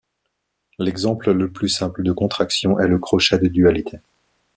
L'exemple le plus simple de contraction est le crochet de dualité.